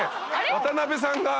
渡辺さんが。